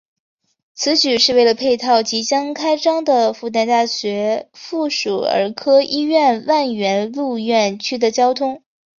此举是为了配套即将开张的复旦大学附属儿科医院万源路院区的交通。